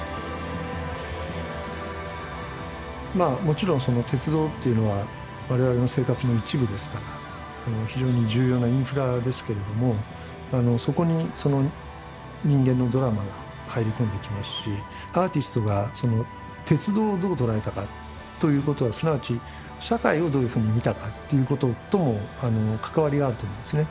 まあもちろん鉄道というのは我々の生活の一部ですから非常に重要なインフラですけれどもそこにその人間のドラマが入り込んできますしアーティストが鉄道をどう捉えたかということはすなわち社会をどういうふうに見たかっていうこととも関わりがあると思いますね。